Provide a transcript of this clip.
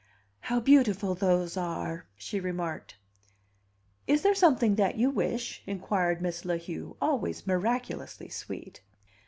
"How beautiful those are!" she remarked. "Is there something that you wish?" inquired Miss La Heu, always miraculously sweet.